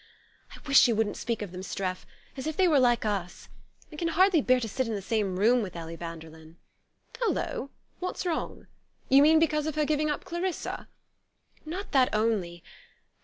"I wish you wouldn't speak of them, Streff... as if they were like us! I can hardly bear to sit in the same room with Ellie Vanderlyn." "Hullo? What's wrong? You mean because of her giving up Clarissa?" "Not that only....